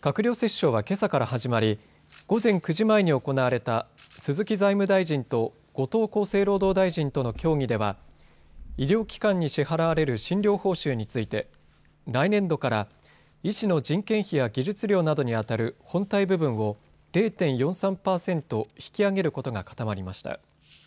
閣僚折衝はけさから始まり午前９時前に行われた鈴木財務大臣と後藤厚生労働大臣との協議では医療機関に支払われる診療報酬について来年度から医師の人件費や技術料などにあたる本体部分を０．４３％引き上げることが固まりました。